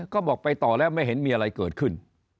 ก็บอกไปต่อแล้วไม่เห็นมีอะไรเกิดขึ้น